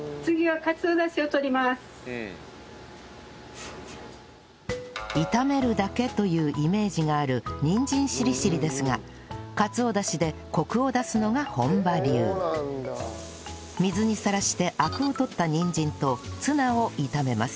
次は炒めるだけというイメージがあるにんじんしりしりですがかつおダシでコクを出すのが本場流水にさらしてアクを取ったにんじんとツナを炒めます